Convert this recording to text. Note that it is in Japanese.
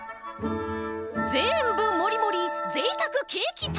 ぜんぶもりもりぜいたくケーキタワー！